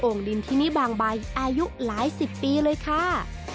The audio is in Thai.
ดินที่นี่บางใบอายุหลายสิบปีเลยค่ะ